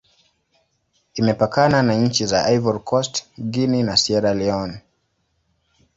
Imepakana na nchi za Ivory Coast, Guinea, na Sierra Leone.